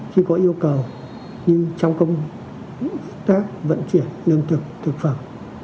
khi có yêu cầu như trong công tác vận chuyển lương thực thực phẩm